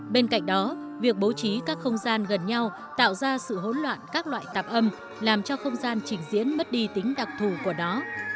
bên cạnh đó việc bố trí các không gian gần nhau tạo ra sự hỗn loạn các loại tạp âm làm cho không gian trình diễn mất đi tính đặc thù của nó